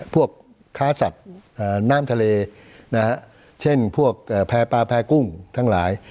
ค้าสัตว์น้ำทะเลเช่นพวกแพร่ปลาแพร่กุ้งทั้งหลาย